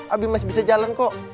habib masih bisa jalan kok